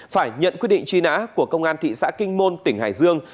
phải nhận quyết định truy nã của công an thị xã kinh môn tỉnh hải dương